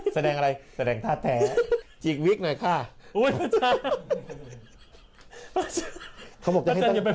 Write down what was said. แสดงอะไรแสดงท่าแท้จี๊กวิกหน่อยค่ะโอ้ยพระอาจารย์